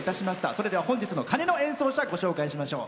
それでは、本日の鐘の演奏者ご紹介しましょう。